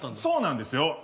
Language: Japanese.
そうなんですよ。